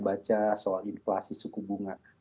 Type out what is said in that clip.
baca soal inflasi suku bunga